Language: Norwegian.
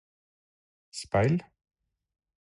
speil